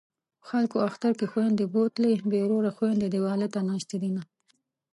خلکو اختر کې خویندې بوتلې بې وروره خویندې دېواله ته ناستې دینه